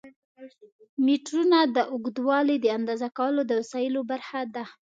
میټرونه د اوږدوالي د اندازه کولو د وسایلو برخه ده.